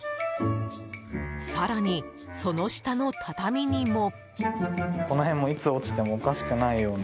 更に、その下の畳にも。